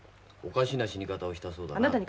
おかしな死に方をしたそうだな。